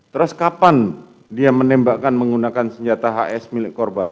terus kapan dia menembakkan menggunakan senjata hs milik korban